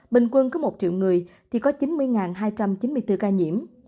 bình quân có một triệu người thì có chín mươi hai trăm chín mươi bốn ca nhiễm